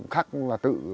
khắc và tự